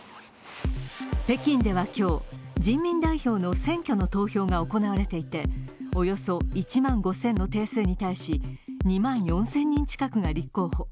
北京では今日、人民代表の選挙の投票が行われていておよそ１万５０００の定数に対し２万４０００人近くが立候補。